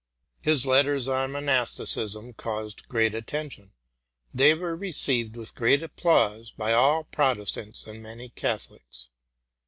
His letters on Monasticism caused great attention: they were received with great applause by all Protestants and many Catholics.